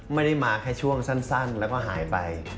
ไม่ได้มาแค่ช่วงสั้นแล้วก็หายไป